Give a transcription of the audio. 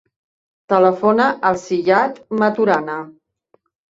Telefona al Ziyad Maturana.